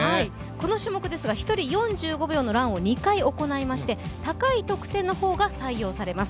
この種目ですが１人４５秒のランを２回行いまして高い得点の方が採用されます。